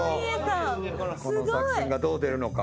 この作戦がどう出るのか。